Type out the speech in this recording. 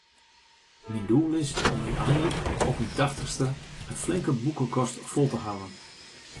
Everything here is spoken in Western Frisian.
Myn doel is om úteinlik, op myn tachtichste, in flinke boekekast fol te hawwen.